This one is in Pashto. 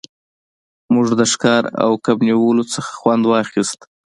موږ د ښکار او کب نیولو څخه خوند واخیست